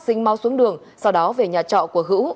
sinh mau xuống đường sau đó về nhà trọ của hữu